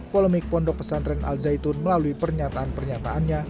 polemik pondok pesantren al zaitun melalui pernyataan pernyataannya